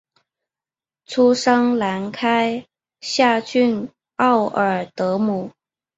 生于兰开夏郡奥尔德姆。